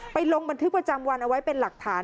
ลงบันทึกประจำวันเอาไว้เป็นหลักฐาน